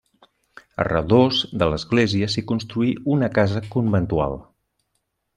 A redós de l'església s'hi construí una casa conventual.